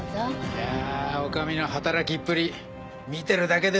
いやあ女将の働きっぷり見てるだけで酒が進むよ。